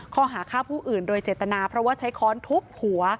ข้อหาฆ่าผู้อื่นโดยเจตนาเพราะว่าใช้ค้อนทุบหัว